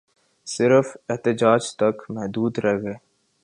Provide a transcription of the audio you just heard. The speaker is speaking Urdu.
صرف احتجاج تک محدود رہ گئے